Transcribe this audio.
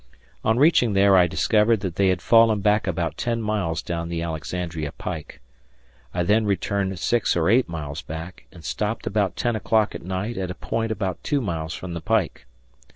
On reaching there I discovered that they had fallen back about 10 miles down the Alexandria pike. I then returned 6 or 8 miles back and stopped about 10 o'clock at night at a point about 2 miles from the pike.